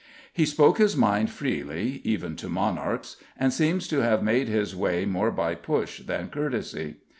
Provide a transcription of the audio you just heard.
He spoke his mind freely, even to monarchs, and seems to have made his way more by push than courtesy.